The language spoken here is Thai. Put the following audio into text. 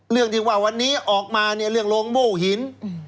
เรื่องที่ว่าวันนี้ออกมาเนี่ยเรื่องโรงโม่หิน